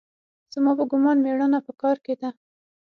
زما په ګومان مېړانه په کار کښې ده.